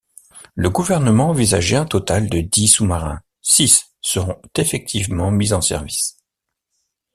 Le gouvernement envisageait un total de dix sous-marins, six seront effectivement mis en service.